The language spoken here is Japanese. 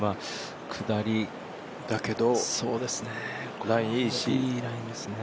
下りだけど、いいラインですね。